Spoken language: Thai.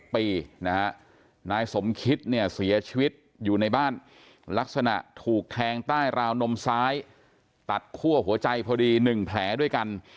แพงใต้ราวนมซ้ายตัดคั่วหัวใจพอดี๑แผลด้วยกัน